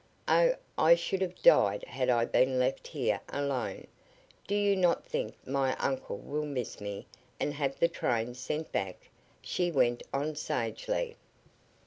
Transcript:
Oh, I should have died had I been left here alone. Do you not think my uncle will miss me and have the train sent back?" she went on sagely.